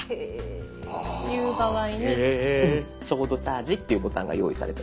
いう場合に「ちょうどチャージ」っていうボタンが用意されてます。